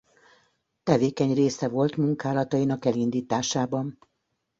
Tevékeny része volt munkálatainak elindításában.